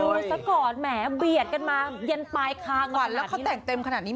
ซะก่อนแหมเบียดกันมาเย็นปลายคางวันแล้วเขาแต่งเต็มขนาดนี้